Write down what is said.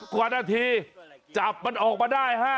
กว่านาทีจับมันออกมาได้